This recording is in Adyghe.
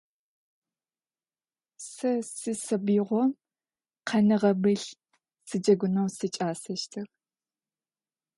Сэ сисабыигъом къэнэгъэбил сиджэгунэу сикӏасэщтыгъ.